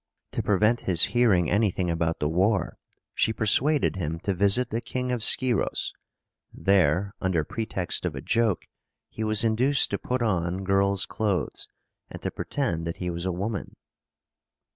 To prevent his hearing anything about the war, she persuaded him to visit the King of Scyros. There, under pretext of a joke, he was induced to put on girl's clothes, and to pretend that he was a woman.